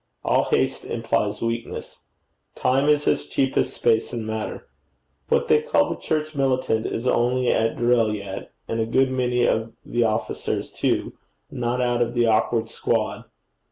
All haste implies weakness. Time is as cheap as space and matter. What they call the church militant is only at drill yet, and a good many of the officers too not out of the awkward squad.